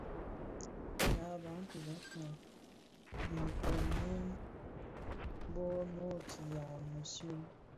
Bë yaa Bantu (Bafia) dhinkonèn bō noo nootia mëshyom.